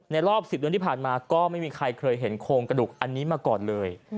รอบ๑๐เดือนที่ผ่านมาก็ไม่มีใครเคยเห็นโครงกระดูกอันนี้มาก่อนเลย